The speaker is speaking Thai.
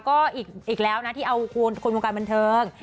ก็อีกแล้วนะที่เอาคนวงการบันเทิง